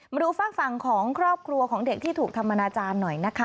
มาดูฝากฝั่งของครอบครัวของเด็กที่ถูกทำอนาจารย์หน่อยนะคะ